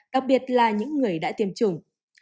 đặc biệt là những người đã tiêm chủng